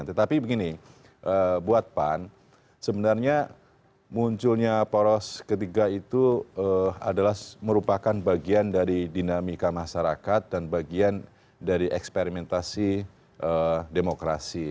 tetapi begini buat pan sebenarnya munculnya poros ketiga itu adalah merupakan bagian dari dinamika masyarakat dan bagian dari eksperimentasi demokrasi